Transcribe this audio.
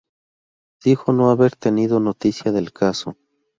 Dijo no haber tenido noticia del caso.